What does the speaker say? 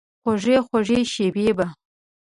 خوږې، خوږې شیبې به،